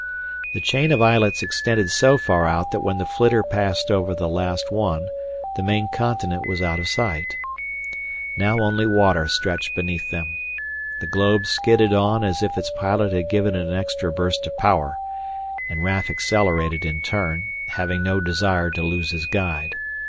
The chain of islets extended so far out that when the flitter passed over the last one the main continent was out of sight. Now only water stretched beneath them. The globe skidded on as if its pilot had given it an extra burst of power, and Raf accelerated in turn, having no desire to lose his guide.